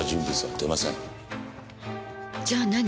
じゃあ何？